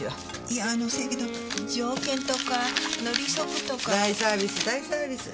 いやあのせやけど条件とか利息とか。大サービス大サービス。